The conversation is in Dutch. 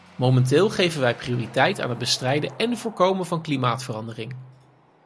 Momenteel geven wij prioriteit aan het bestrijden en voorkomen van klimaatverandering.